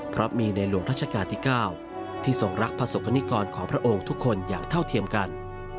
เพราะมีในหลวงรัชกาลที่๙ที่ทรงรักประสบกรณิกรของพระองค์ทุกคนอย่างเท่าเทียมกัน